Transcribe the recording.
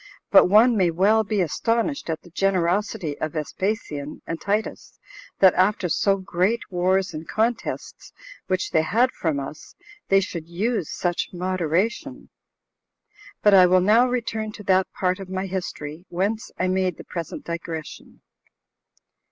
But one may well be astonished at the generosity of Vespasian and Titus, that after so great wars and contests which they had from us, they should use such moderation. But I will now return to that part of my history whence I made the present digression.